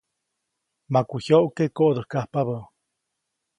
Maku jyoʼke koʼdäjkajpabä.